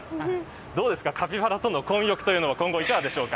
どうですか、カピバラとの混浴というのは今後いかがですか。